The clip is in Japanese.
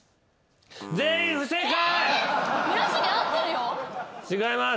全員不正解！